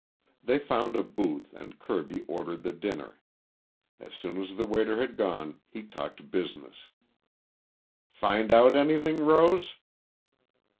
They found a booth and Kirby ordered the dinner. As soon as the waiter had gone he talked business. "Find out anything, Rose?"